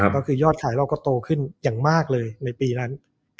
ก็คือยอดขายเราก็โตขึ้นอย่างมากเลยในปีนั้น